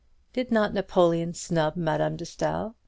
Did not Napoleon snub Madame de Staël?